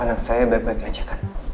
anak saya baik baik aja kan